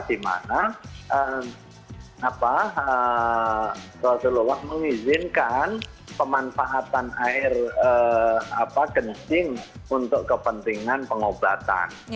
di mana rasulullah mengizinkan pemanfaatan air kencing untuk kepentingan pengobatan